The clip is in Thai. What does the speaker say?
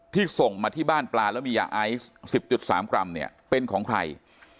ที่ส่งมาที่บ้านปลาแล้วมียาไอสิบจุดสามกรัมเนี่ยเป็นของใคร